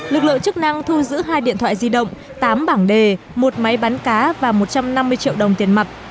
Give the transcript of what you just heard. lực lượng chức năng thu giữ hai điện thoại di động tám bảng đề một máy bắn cá và một trăm năm mươi triệu đồng tiền mặt